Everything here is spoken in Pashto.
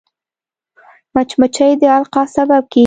مچمچۍ د القاح سبب کېږي